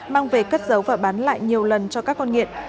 mang về cất giấu và bán lại nhiều lần cho các con nghiện